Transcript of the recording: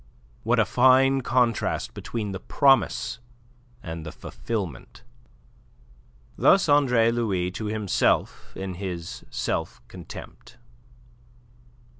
What a fine contrast between the promise and the fulfilment! Thus Andre Louis to himself in his self contempt.